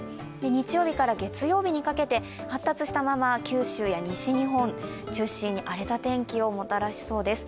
日曜日から月曜日にかけて発達したまま、九州や西日本を中心に荒れた天気をもたらしそうです。